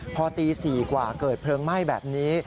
พอตี๔กว่าเกิดเพลิงไหม้แบบนี้